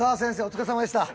お疲れさまでした。